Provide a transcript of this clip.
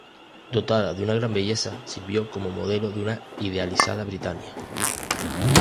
Dotada de una gran belleza, sirvió como modelo de una idealizada Britannia.